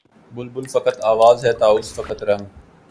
بلبل فقط آواز ہے طاؤس فقط رنگ